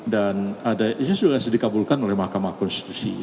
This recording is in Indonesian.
dan ini sudah dikabulkan oleh mahkamah konstitusi